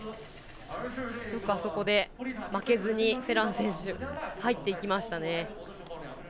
よくあそこで負けずにフェラン選手入っていきましたね。